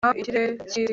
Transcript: mpa ikirere cyisi